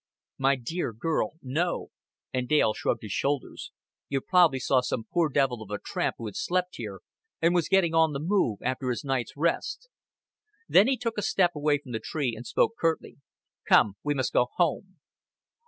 "My dear girl, no;" and Dale shrugged his shoulders. "You prob'ly saw some poor devil of a tramp who had slept here, and was getting on the move after his night's rest." Then he took a step away from the tree, and spoke curtly. "Come. We must go home."